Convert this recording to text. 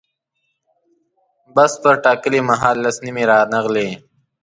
بس پر ټاکلي مهال لس نیمې رانغی.